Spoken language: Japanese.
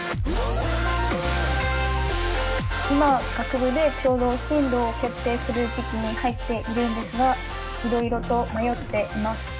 今学部でちょうど進路を決定する時期に入っているんですがいろいろと迷っています。